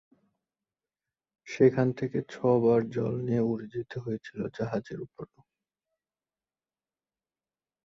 সেখান থেকে ছ’বার জল নিয়ে উড়ে যেতে হয়েছিল জাহাজের উপরে।